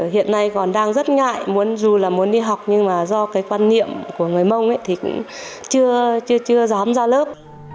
hiện nay còn đang rất ngại dù là muốn đi học nhưng mà do cái quan niệm của người mông ấy thì cũng chưa dám ra lớp